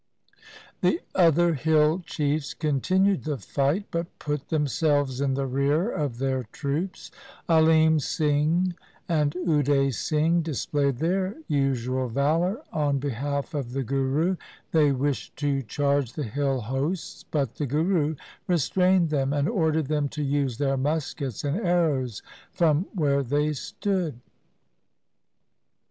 The other hill chiefs continued the fight, but put themselves in the rear of their troops. Alim Singh and Ude Singh displayed their usual valour on behalf of the Guru. They wished to charge the hill hosts, but the Guru restrained them, and ordered them to use their muskets and arrows from where they stood.